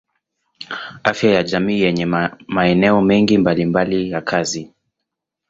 Afya ya jamii yenye maeneo mengi mbalimbali ya kazi.